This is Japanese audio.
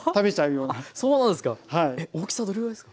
そうなんですか。